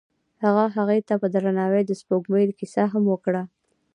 هغه هغې ته په درناوي د سپوږمۍ کیسه هم وکړه.